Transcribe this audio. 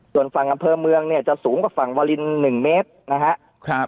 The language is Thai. ส่วนฝั่งอำเภอเมืองเนี่ยจะสูงกว่าฝั่งวาลิน๑เมตรนะครับ